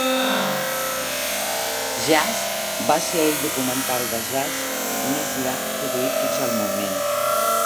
"Jazz" va ser el documental de jazz més llarg produït fins al moment.